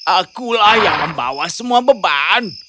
aku lah yang membawa semua beban